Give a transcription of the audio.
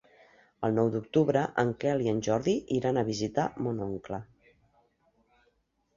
El nou d'octubre en Quel i en Jordi iran a visitar mon oncle.